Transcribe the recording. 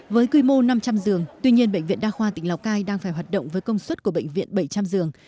với quy mô năm trăm linh giường tuy nhiên bệnh viện đa khoa tỉnh lào cai đang phải hoạt động với công suất của bệnh viện bảy trăm linh giường